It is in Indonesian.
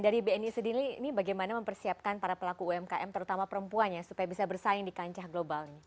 dari bni sendiri ini bagaimana mempersiapkan para pelaku umkm terutama perempuan ya supaya bisa bersaing di kancah global ini